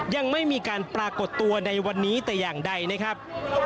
ยังไม่มีการปรากฏตัวในวันนี้แต่อย่างใดนะครับ